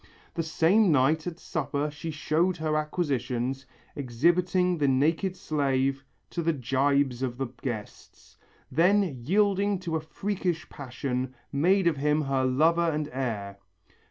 The same night at supper she showed her acquisitions, exhibiting the naked slave to the gibes of the guests. Then yielding to a freakish passion, made of him her lover and heir.